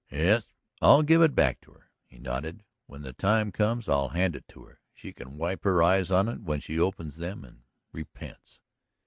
"Yes, I'll give it back to her," he nodded; "when the time comes I'll hand it to her. She can wipe her eyes on it when she opens them and repents."